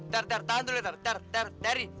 ter ter tahan dulu ter ter ter teri